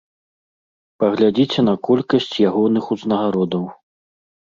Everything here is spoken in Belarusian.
Паглядзіце на колькасць ягоных узнагародаў.